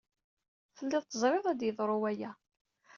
Tellid teẓrid ad yeḍru waya!